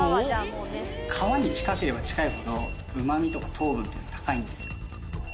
「皮に近ければ近いほどうまみとか糖分っていうのも高いんですよ」